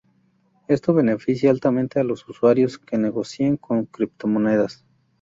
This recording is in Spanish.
Esto beneficia altamente a los usuarios que negocian con criptomonedas.